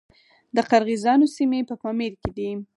د قرغیزانو سیمې په پامیر کې دي